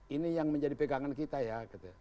ini yang menjadi pegangan kita ya